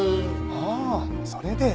ああそれで。